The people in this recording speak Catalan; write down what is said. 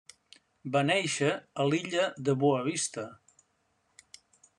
Va néixer a l'illa de Boa Vista.